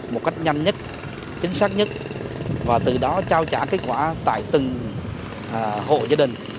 một cách nhanh nhất chính xác nhất và từ đó trao trả kết quả tại từng hộ gia đình